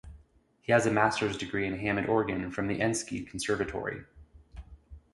He has a Masters Degree in Hammond Organ from the Enschede Conservatory.